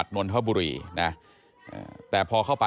ไอ้แม่ได้เอาแม่ได้เอาแม่